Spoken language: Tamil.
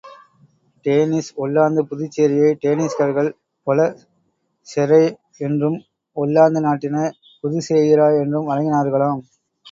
டேனிஷ் ஒல்லாந்து புதுச்சேரியை டேனிஷ்காரர்கள் பொல செரே என்றும், ஒல்லாந்து நாட்டினர் புதேஷேயிரா என்றும் வழங்கினார்களாம்.